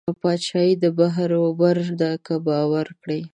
بادشاهي د بحر وبر ده که باور کړې